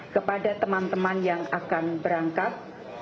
kepada teman teman yang akan berangkat